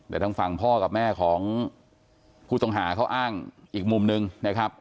แต่ทางฝั่งพ่อกับแม่ของผู้ต้องหาเขาอ้างอีกมุมนึงนะครับ